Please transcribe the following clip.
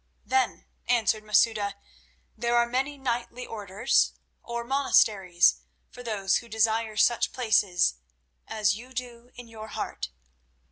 "Then," answered Masouda, "there are many knightly Orders, or monasteries, for those who desire such places—as you do in your heart.